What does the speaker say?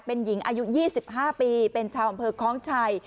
เป็นหญิงอายุยี่สิบห้าปีเป็นชาวบรรพเภอคล้องชัย